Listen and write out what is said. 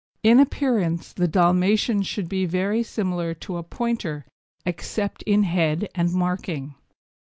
In appearance the Dalmatian should be very similar to a Pointer except in head and marking.